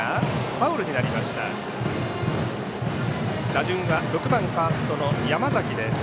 打順は６番ファーストの山崎です。